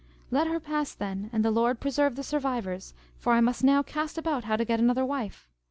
Let her pass then, and the Lord preserve the survivors; for I must now cast about how to get another wife.